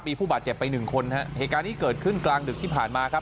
มีผู้บาดเจ็บไปหนึ่งคนฮะเหตุการณ์นี้เกิดขึ้นกลางดึกที่ผ่านมาครับ